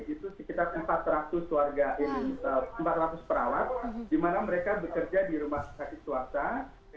itu sekitar empat ratus perawat di mana mereka bekerja di rumah sakit swasta